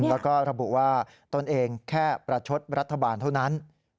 แล้วก็ระบุว่าตนเองแค่ประชดรัฐบาลเท่านั้น